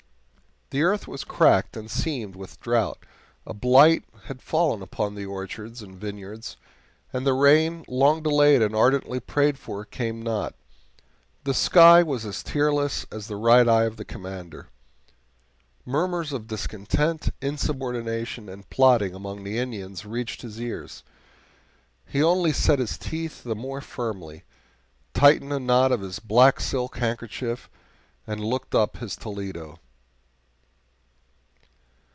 The earth was cracked and seamed with drought; a blight had fallen upon the orchards and vineyards, and the rain, long delayed and ardently prayed for, came not. The sky was as tearless as the right eye of the Commander. Murmurs of discontent, insubordination, and plotting among the Indians reached his ears; he only set his teeth the more firmly, tightened the knot of his black silk handkerchief, and looked up his Toledo.